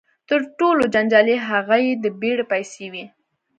تر ټولو جنجالي هغه یې د بېړۍ پیسې وې.